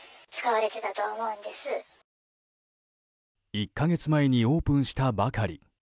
１か月前にオープンしたばかり。